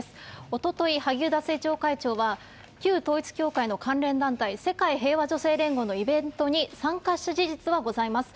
おととい、萩生田政調会長は旧統一教会の関連団体、世界平和女性連合のイベントに参加した事実はございます。